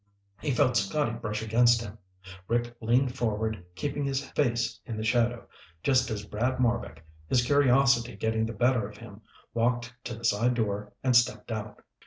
He felt Scotty brush against him. Rick leaned forward, keeping his face in the shadow, just as Brad Marbek, his curiosity getting the better of him, walked to the side door and stepped out.